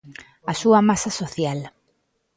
A súa masa social.